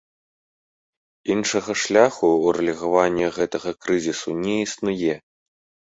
Іншага шляху ўрэгулявання гэтага крызісу не існуе.